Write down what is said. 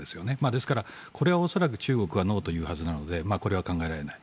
ですから、これは恐らく中国はノーと言うはずなのでこれは考えられない。